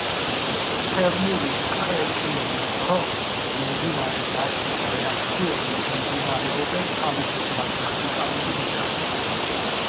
თერმული კრეკინგის დროს მიმდინარე დაშლის რეაქციები მიმდინარეობენ თავისუფალ რადიკალური მექანიზმით.